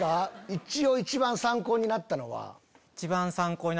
一応一番参考になったのは。